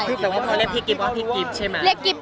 แต่ว่าพ่อเรียกพี่กิฟต์ว่าพี่กิฟต์ใช่ไหม